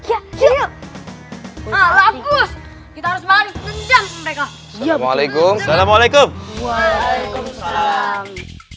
kita harus balik mereka ya waalaikumsalam waalaikumsalam